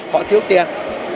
họ thiếu tiền